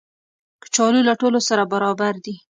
کچالو له ټولو سره برابر دي